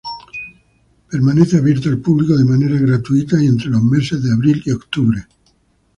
Permanece abierto al público de manera gratuita entre los meses de abril y octubre.